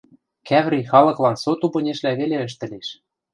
Кӓври халыклан со тупынешлӓ веле ӹштӹлеш.